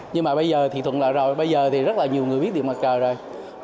nhưng mà bây giờ thì thuận lợi rồi bây giờ thì rất là nhiều người biết điện mặt trời rồi